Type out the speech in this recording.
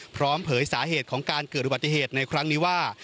พร้อมเผยสาเหตุของการเกิดปัจจิเหตุในครั้งนี้ว่า